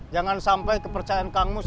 jangan sampai kepercayaan kang mus